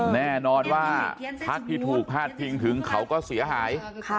แน่นอนว่าพักที่ถูกพาดพิงถึงเขาก็เสียหาย